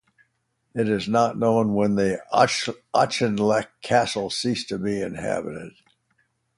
It is not known when Auchinleck Castle ceased to be inhabited.